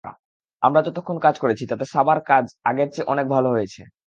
আমরা যতক্ষণ কাজ করেছি, তাতে সাবার কাজ আগের চেয়ে অনেক ভালো হয়েছে।